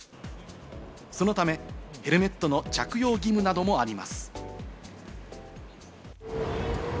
そのため、ヘルメットの着用義務などもあります。